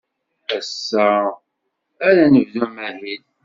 Ass-a ara nebdu amahil.